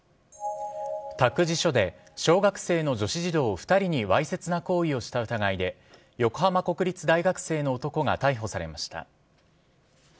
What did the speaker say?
託児所で小学生の女子児童２人にわいせつな行為をした疑いで横浜国立大学生の男が逮捕されました。